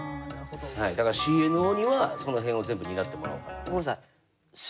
だからＣＮＯにはその辺を全部担ってもらおうかなって。